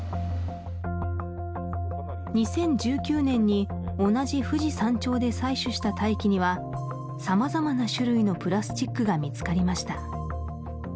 ２０１９年に同じ富士山頂で採取した大気には様々な種類のプラスチックが見つかりました